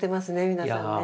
皆さんね。